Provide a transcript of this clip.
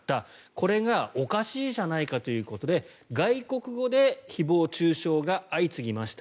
これがおかしいじゃないかということで外国語で誹謗・中傷が相次ぎました。